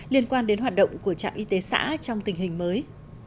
liên quan đến hoạt động của trạm y tế xã trong tình hình mới